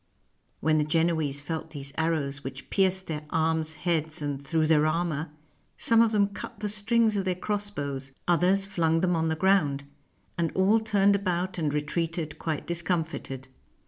When the Genoese felt these arrows, which pierced their arms, heads, and through their armor, some of them cut the strings of their crossbows, others flung them on the ground, and all turned about and retreated quite discomfited.